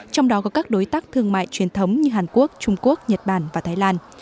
trong đó có các đối tác thương mại truyền thống như hàn quốc trung quốc nhật bản và thái lan